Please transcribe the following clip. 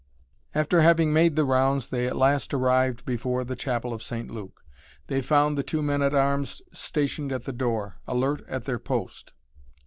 After having made the rounds they at last arrived before the chapel of St. Luke. They found the two men at arms stationed at the door, alert at their post.